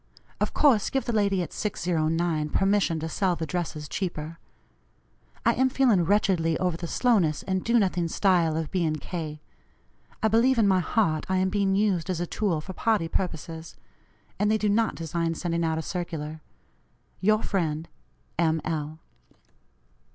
Of course give the lady at 609 permission to sell the dresses cheaper. I am feeling wretchedly over the slowness and do nothing style of B. & K. I believe in my heart I am being used as a tool for party purposes; and they do not design sending out a circular. "Your friend, M. L."